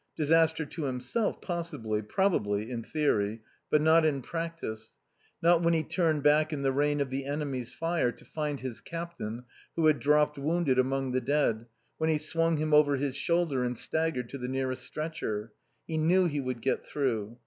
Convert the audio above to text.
Disaster to himself possibly; probably, in theory; but not in practice. Not when he turned back in the rain of the enemy's fire to find his captain who had dropped wounded among the dead, when he swung him over his shoulder and staggered to the nearest stretcher. He knew he would get through.